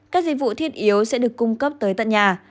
các dịch vụ thiết yếu sẽ được cung cấp tới tận nhà